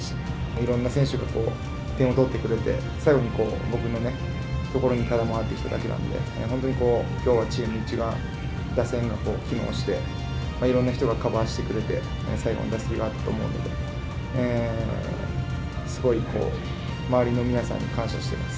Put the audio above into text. いろんな選手が点を取ってくれて、最後に僕のところに回が回ってきただけなので、本当にきょうはチーム一丸で打線が機能して、いろんな人がカバーしてくれて、最後の打席があったと思うので、すごいこう、周りの皆さんに感謝してます。